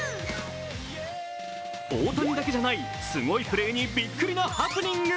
大谷だけじゃないすごいプレーにびっくりなハプニング。